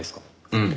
うん。